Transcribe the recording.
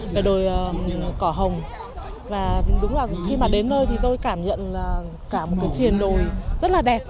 về đồi cỏ hồng và đúng là khi mà đến nơi thì tôi cảm nhận cả một cái triền đồi rất là đẹp